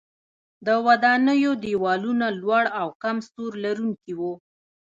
د ودانیو دیوالونه لوړ او کم سور لرونکي وو.